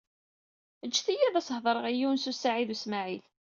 Ǧǧet-iyi ad as-heḍṛeɣ i Yunes u Saɛid u Smaɛil.